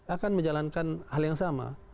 akan menjalankan hal yang sama